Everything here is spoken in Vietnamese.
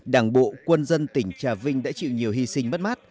đảng bộ quân dân tỉnh trà vinh đã chịu nhiều hy sinh mất mát